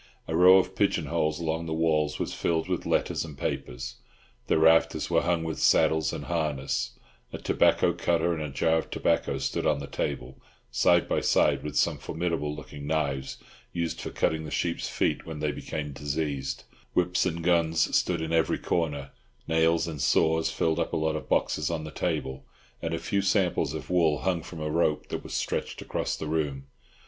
A row of pigeon holes along the walls was filled with letters and papers; the rafters were hung with saddles and harness; a tobacco cutter and a jar of tobacco stood on the table, side by side with some formidable looking knives, used for cutting the sheep's feet when they became diseased; whips and guns stood in every corner; nails and saws filled up a lot of boxes on the table, and a few samples of wool hung from a rope that was stretched across the room.